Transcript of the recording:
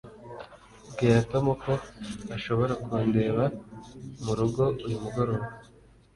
bwira tom ko ashobora kundeba murugo uyu mugoroba